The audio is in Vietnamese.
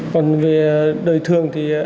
còn về đời thường thì